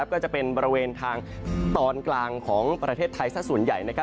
ก็จะเป็นบริเวณทางตอนกลางของประเทศไทยสักส่วนใหญ่